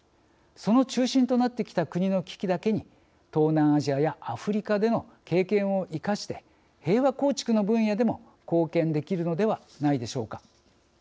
その中心となってきた国の危機だけに東南アジアやアフリカでの経験を生かして平和構築の分野でも貢献できるのではないでしょうか。